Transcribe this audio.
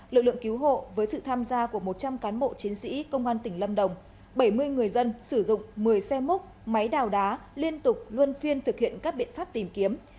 lực lượng cứu hộ với sự tham gia của một trăm linh cán bộ chiến sĩ công an tỉnh lâm đồng bảy mươi người dân sử dụng một mươi xe múc máy đào đá liên tục luôn phiên thực hiện các biện pháp tìm kiếm